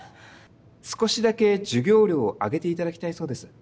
少しだけ授業料を上げていただきたいそうです。